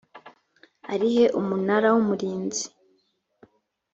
ari he umunara w umurinzi